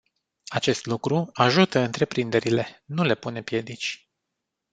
Acest lucru ajută întreprinderile, nu le pune piedici.